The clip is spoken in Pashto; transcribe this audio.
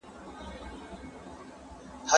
آیا په کور کي له ماشومانو سره پښتو خبري کوئ؟